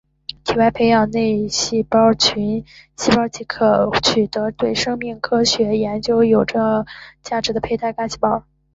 体外培养内细胞群细胞即可取得对生命科学研究有重要价值的胚胎干细胞